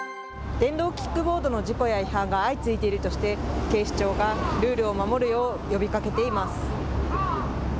電動キックボードの事故や違反が相次いでいるとして、警視庁がルールを守るよう呼びかけています。